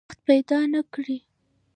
وخت پیدا نه کړي.